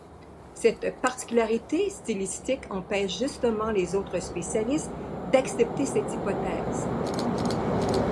Cette particularité stylistique empêche justement les autres spécialistes d'accepter cette Hypothèse.